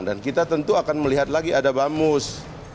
dan kita tentu akan melihat lagi ada bamus